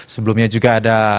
sebelumnya juga ada